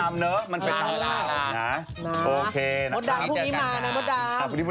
เมียวอยู่นี่